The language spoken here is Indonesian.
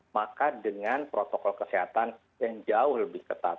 maka dengan protokol kesehatan yang jauh lebih ketat